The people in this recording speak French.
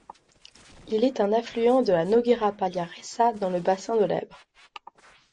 Il est un affluent de la Noguera Pallaresa dans le bassin de l'Èbre.